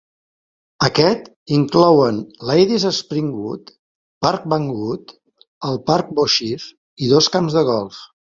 Aquest inclouen Ladies'Spring Wood, Parkbank Wood, el Parc Beauchief, i dos camps de golf.